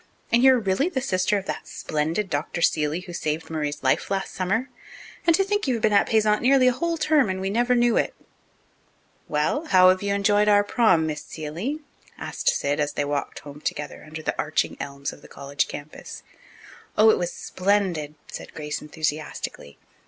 And you're really the sister of that splendid Dr. Seeley who saved Murray's life last summer? And to think you've been at Payzant nearly a whole term and we never knew it!" "Well, how have you enjoyed our prom, Miss Seeley?" asked Sid, as they walked home together under the arching elms of the college campus. "Oh! it was splendid," said Grace enthusiastically.